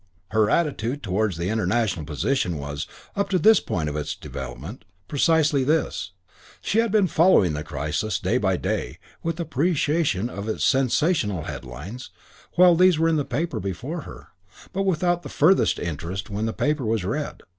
Her attitude towards the international position was up to this point of its development precisely this: she had been following the crisis day by day with appreciation of its sensational headlines while these were in the paper before her, but without further interest when the paper was read.